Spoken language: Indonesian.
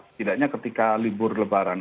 setidaknya ketika libur lebaran